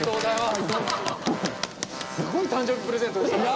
すごい誕生日プレゼントですね。